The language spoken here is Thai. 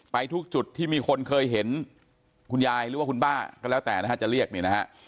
ทุกจุดที่มีคนเคยเห็นคุณยายหรือว่าคุณป้าก็แล้วแต่นะฮะจะเรียกเนี่ยนะฮะ